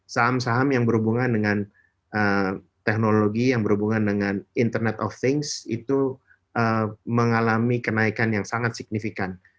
saham saham yang berhubungan dengan teknologi yang berhubungan dengan internet of things itu mengalami kenaikan yang sangat signifikan